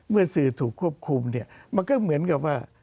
เมื่อสื่อถูกควบคุมเนี่ยมันก็เหมือนกับว่า